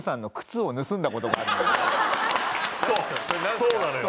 そうそうなのよ。